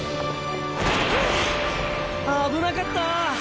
ふぅ危なかった。